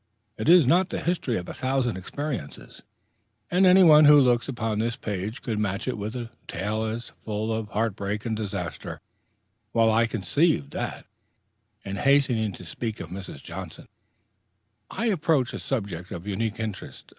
is it not the history of a thousand experiences? Any one who looks upon this page could match it with a tale as full of heartbreak and disaster, while I conceive that, in hastening to speak of Mrs. Johnson, I approach a subject of unique interest....